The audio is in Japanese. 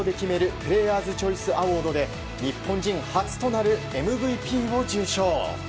プレーヤーズ・チョイス・アワードで日本人初となるＭＶＰを受賞。